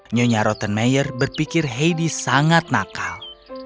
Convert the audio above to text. nyonya rottenmeier berpikir heidi sangat nakal